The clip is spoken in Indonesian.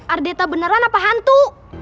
ardeta beneran apa hantu